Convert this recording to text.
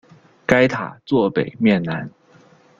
该塔座北面南。